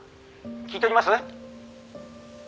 聞いとります？」